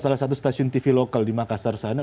salah satu stasiun tv lokal di makassar sana